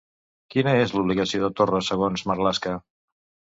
Quina és l'obligació de Torra, segons Marlaska?